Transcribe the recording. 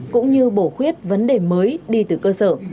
cũng như bổ khuyết vấn đề mới đi từ cơ sở